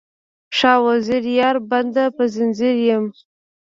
شاه وزیره یاره، بنده په ځنځیر یم